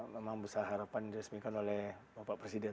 memang besar harapan diresmikan oleh bapak presiden